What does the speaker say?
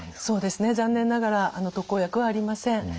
そうですね残念ながら特効薬はありません。